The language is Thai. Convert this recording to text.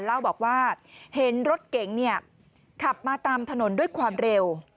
เล่าบอกว่าเห็นรถเก๋งขับมาตามถนนด้วยความเร็ว